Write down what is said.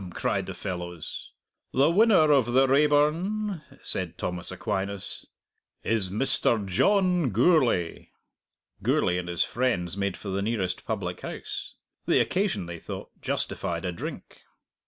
cried the fellows. "The winner of the Raeburn," said Thomas Aquinas, "is Mr. John Gourlay." Gourlay and his friends made for the nearest public house. The occasion, they thought, justified a drink.